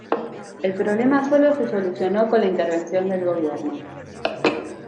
El problema sólo se solucionó con la intervención del gobierno.